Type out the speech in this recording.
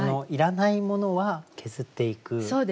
いらないものは削っていく。